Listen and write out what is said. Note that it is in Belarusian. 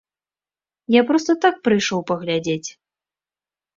Я проста так прыйшоў паглядзець.